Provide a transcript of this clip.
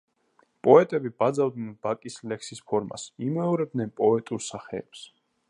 პოეტები ბაძავდნენ ბაკის ლექსის ფორმას, იმეორებდნენ პოეტურ სახეებს.